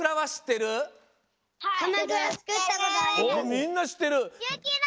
みんなしってる！